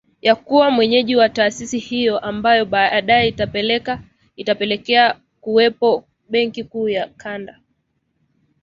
ya kuwa mwenyeji wa taasisi hiyo ambayo baadae itapelekea kuwepo Benki Kuu ya kanda